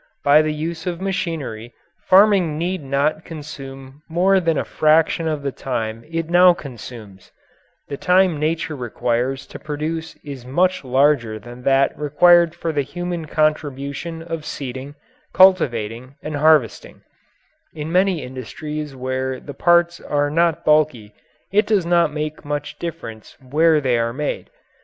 By the use of machinery farming need not consume more than a fraction of the time it now consumes; the time nature requires to produce is much larger than that required for the human contribution of seeding, cultivating, and harvesting; in many industries where the parts are not bulky it does not make much difference where they are made.